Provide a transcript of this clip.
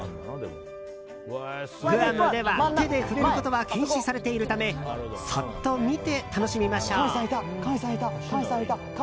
グアムでは手で触れることは禁止されているためそっと見て楽しみましょう。